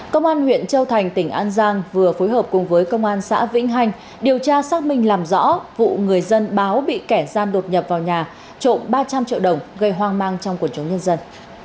công an huyện châu thành tỉnh an giang vừa phối hợp cùng với công an xã vĩnh hành điều tra xác minh làm rõ vụ người dân báo bị kẻ gian đột nhập vào nhà trộm ba trăm linh triệu đồng gây hoang mang trong quần chống nhân dân